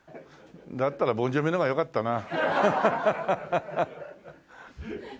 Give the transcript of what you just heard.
だったらボン・ジョヴィの方がよかったな。